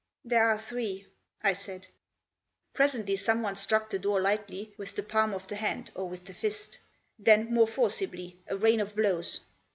" There are three," I said. Presently someone struck the door lightly, with the palm of the hand, or with the fist. Then, more forcibly, a rain of blows.